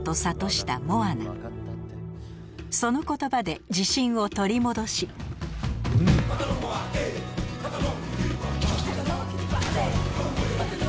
その言葉で自信を取り戻しチェホ！